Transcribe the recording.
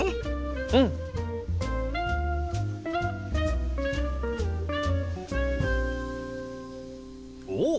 うん！おっ！